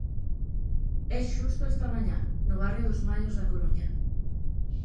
E susto esta mañá no barrio dos Mallos da Coruña.